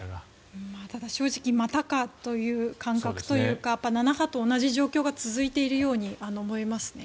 ただ正直またかという感覚というか７波と同じ状況が続いているように思いますね。